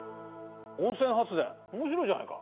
温泉発電面白いじゃないか。